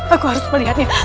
aku harus melihatnya